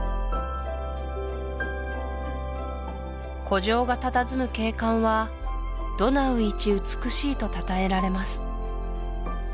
古城がたたずむ景観はドナウ一美しいとたたえられます